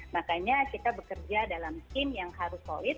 makanya kita bekerja dalam scene yang harus solid